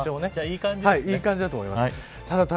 いい感じだと思います。